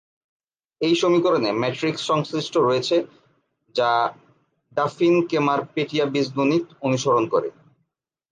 এই সমীকরণে ম্যাট্রিক্স সংশ্লিষ্ট রয়েছে, যা ডাফিন-কেমার-পেটিয়া বীজগণিত অনুসরণ করে।